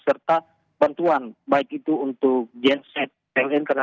serta bantuan baik itu untuk gen set